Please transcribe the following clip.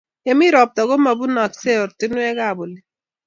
Yemi ropta komapunoksey oratunwek ap oli